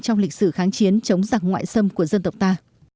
trong lịch sử kháng chiến chống giặc ngoại xâm của dân tộc ta